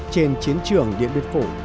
trên chiến trường điện biên phủ